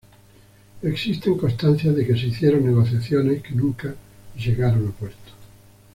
Existen constancias de que se hicieron negociaciones que nunca llegaron a puerto.